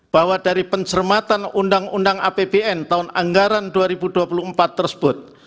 bahwa dari pencermatan undang undang apbn tahun anggaran dua ribu dua puluh empat tersebut